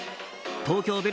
東京